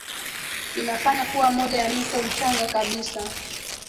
inafanya kuwa moja ya mito mchanga kabisa